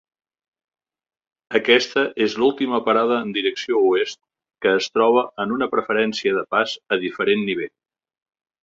Aquesta és l'última parada en direcció oest que es troba en una preferència de pas a diferent nivell.